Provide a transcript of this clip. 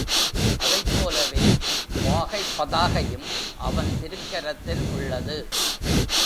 அதைப் போலவே வாகைப் பதாகையும் அவன் திருக்கரத்தில் உள்ளது.